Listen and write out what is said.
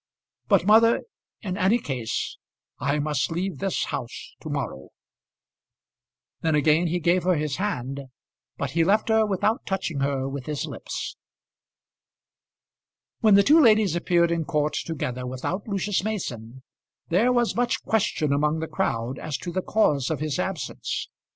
But, mother, in any case I must leave this house to morrow." Then again he gave her his hand, but he left her without touching her with his lips. When the two ladies appeared in court together without Lucius Mason there was much question among the crowd as to the cause of his absence.